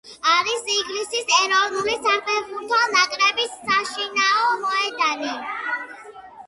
არის ინგლისის ეროვნული საფეხბურთო ნაკრების საშინაო მოედანი.